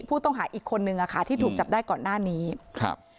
ผู้ต้องหาอีกคนนึงอ่ะค่ะที่ถูกจับได้ก่อนหน้านี้ครับ